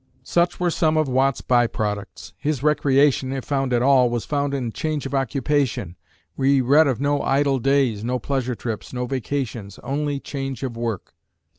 Such were some of Watt's by products. His recreation, if found at all, was found in change of occupation. We read of no idle days, no pleasure trips, no vacations, only change of work.